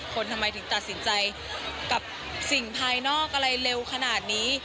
ทำไมถึงตัดสินใจกับสิ่งภายนอกอะไรเร็วขนาดนี้